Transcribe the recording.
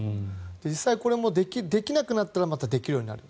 実際これもできなくなったらまたできるようになる。